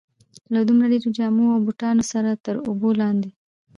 له دومره ډېرو جامو او بوټانو سره تر اوبو لاندې.